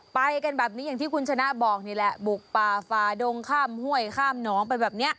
ไปกันแบบนี้อย่างที่คุณชนะบอกนี่แหละบุกป่าฝ่าดงข้ามห้วยข้ามหนองไปแบบนี้